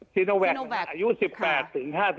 จิโนแว็กซ์อายุ๑๘ถึง